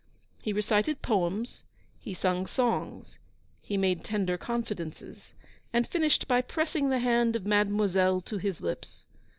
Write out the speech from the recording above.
He recited poems, he sung songs, he made tender confidences, and finished by pressing the hand of Mademoiselle to his lips.